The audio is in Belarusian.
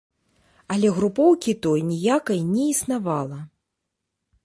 Але групоўкі той ніякай не існавала.